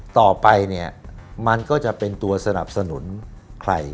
ต่อไปเนี่ยมันก็จะเป็นตัวสนับสนุนใคร